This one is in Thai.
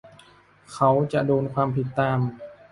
เขาจะโดนความผิดตาม